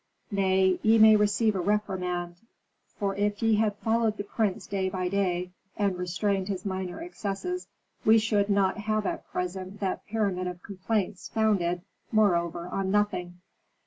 Nay, ye may receive a reprimand. For if ye had followed the prince day by day and restrained his minor excesses, we should not have at present that pyramid of complaints founded, moreover, on nothing.